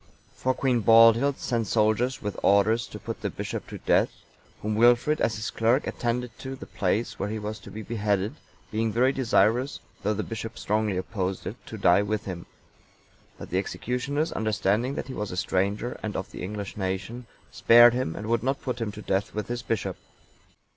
For Queen Baldhild(901) sent soldiers with orders to put the bishop to death; whom Wilfrid, as his clerk, attended to the place where he was to be beheaded, being very desirous, though the bishop strongly opposed it, to die with him; but the executioners, understanding that he was a stranger, and of the English nation, spared him, and would not put him to death with his bishop.